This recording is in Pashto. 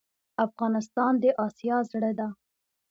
افغانستان د اسیا زړه ده